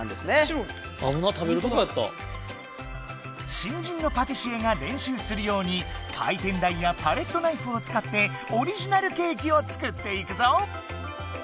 新人のパティシエが練習するように回てん台やパレットナイフを使ってオリジナルケーキを作っていくぞ！